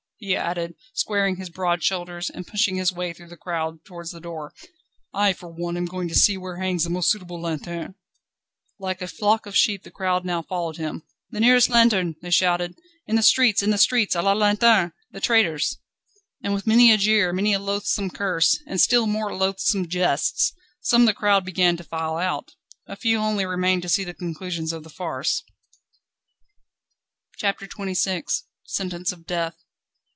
_" he added, squaring his broad shoulders, and pushing his way through the crowd towards the door, "I for one am going to see where hangs the most suitable lanterne." Like a flock of sheep the crowd now followed him. "The nearest lanterne!" they shouted. "In the streets in the streets! A la lanterne! The traitors!" And with many a jeer, many a loathsome curse, and still more loathsome jests, some of the crowd began to file out. A few only remained to see the conclusion of the farce. CHAPTER XXVI Sentence of death.